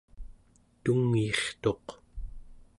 tungyirtuq